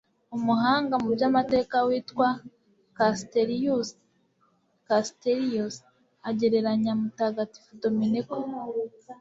umuhanga mu by'amateka witwa kasteliyusi(castellius) agereranya mutagatifu dominiko